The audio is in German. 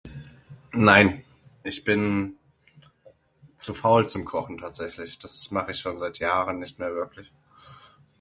Nein, ich bin zu faul zum kochen tatsächlich, das mach ich schon seit Jahren nicht mehr wirklich.